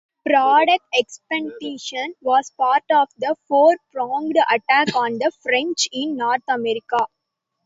Braddock's expedition was part of a four-pronged attack on the French in North America.